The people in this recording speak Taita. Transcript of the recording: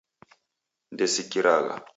Ndesikiragha